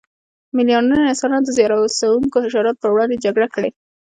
میلیاردونه انسانانو د زیان رسونکو حشراتو پر وړاندې جګړه کړې.